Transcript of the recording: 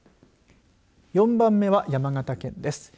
４番目は山形県です。